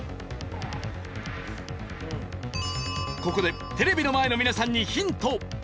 ここでテレビの前の皆さんにヒント。